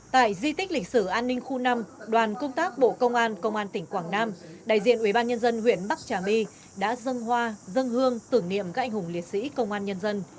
tại di tích lịch sử an ninh khu năm đoàn công tác bộ công an công an tỉnh quảng nam đại diện ubnd huyện bắc trà my đã dân hoa dân hương tưởng niệm các anh hùng liệt sĩ công an nhân dân